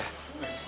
gak apa apa itu